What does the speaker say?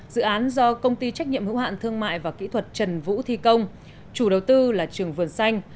dự án do công ty trách nhiệm hữu hạn thương mại và kỹ thuật trần vũ thi công chủ đầu tư là trường vườn xanh